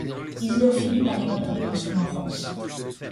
Isidor Philipp arrive à Paris dans son enfance.